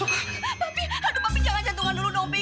papi aduh papi jangan jantungan dulu dong pi